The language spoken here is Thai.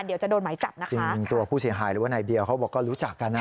เดี๋ยวจะโดนหมายจับนะคะจริงตัวผู้เสียหายหรือว่านายเบียร์เขาบอกก็รู้จักกันนะ